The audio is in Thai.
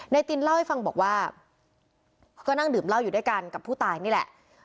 ตินเล่าให้ฟังบอกว่าก็นั่งดื่มเหล้าอยู่ด้วยกันกับผู้ตายนี่แหละ